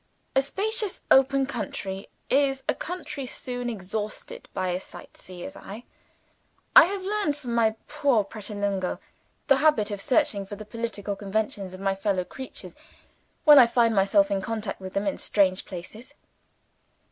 A spacious open country is a country soon exhausted by a sight seer's eye. I have learnt from my poor Pratolungo the habit of searching for the political convictions of my fellow creatures, when I find myself in contact with them in strange places.